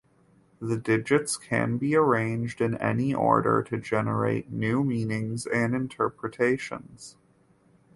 The digits can be arranged in any order to generate new meanings and interpretations.